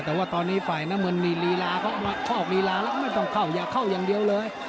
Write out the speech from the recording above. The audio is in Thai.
แต่ว่าตอนนี้ฝ่ายน้ำเงินมีลีลาเขาชอบลีลาแล้วไม่ต้องเข้าอย่าเข้าอย่างเดียวเลย